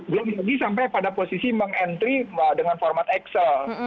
belum lagi sampai pada posisi meng entry dengan format excel